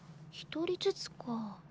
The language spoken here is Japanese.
１人ずつか。